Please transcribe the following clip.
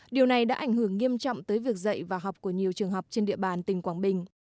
điều này đã ảnh hưởng nghiêm trọng tới việc dạy và học của nhiều trường học trên địa bàn tỉnh quảng bình